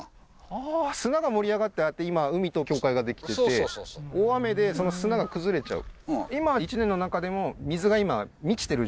ああー砂が盛り上がってああやって今海と境界ができてて大雨でその砂が崩れちゃう？